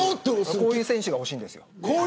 こういう選手が欲しいんです。